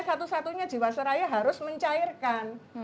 satu satunya jiwasraya harus mencairkan